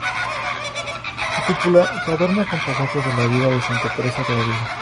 Su cúpula se adorna con pasajes de la vida de Santa Teresa de Ávila.